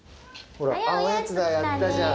おやつだやったじゃん。